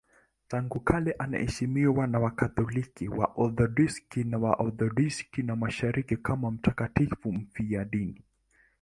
Tangu kale anaheshimiwa na Wakatoliki, Waorthodoksi na Waorthodoksi wa Mashariki kama mtakatifu mfiadini.